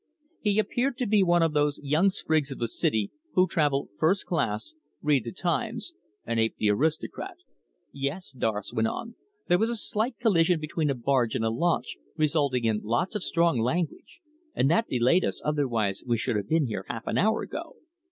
He appeared to be one of those young sprigs of the city who travel first class, read the Times, and ape the aristocrat. "Yes," Doris went on, "there was a slight collision between a barge and a launch, resulting in lots of strong language, and that delayed us, otherwise we should have been here half an hour ago."